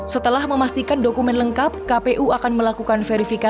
setelah memastikan dokumen lengkap kpu akan melakukan verifikasi